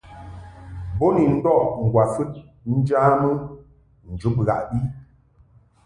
Bo ni ndɔʼ ŋgwafɨd njamɨ njub ghaʼbi.